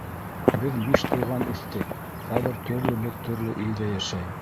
Беҙ биш туған үҫтек, хәҙер төрлөбөҙ төрлө илдә йәшәй.